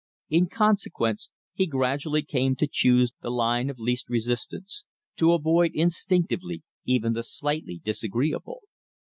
In consequence he gradually came to choose the line of least resistance, to avoid instinctively even the slightly disagreeable.